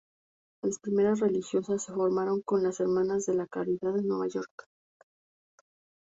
Las primeras religiosas se formaron con las Hermanas de la Caridad de Nueva York.